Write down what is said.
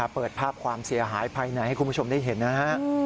เปิดภาพความเสียหายภายในให้คุณผู้ชมได้เห็นนะฮะ